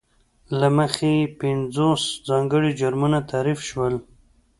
له مخې یې پینځوس ځانګړي جرمونه تعریف شول.